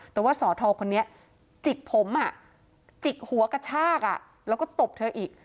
แต่ว่าสอทอคนนี้จิกผมจิกหัวกระชากแล้วก็ตบเธออีก